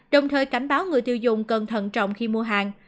đồng thời cảnh báo người tiêu dùng cẩn thận trọng khi mua hàng